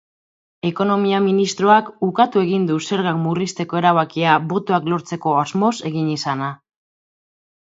Ekonomia ministroak ukatu egin du zergak murrizteko erabakia botoak lortzeko asmoz egin izana.